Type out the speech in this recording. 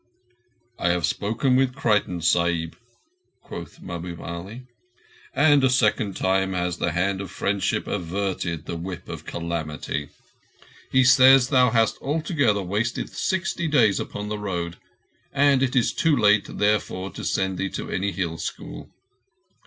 "I have spoken with Creighton Sahib," quoth Mahbub Ali, "and a second time has the Hand of Friendship averted the Whip of Calamity. He says that thou hast altogether wasted sixty days upon the Road, and it is too late, therefore, to send thee to any Hill school."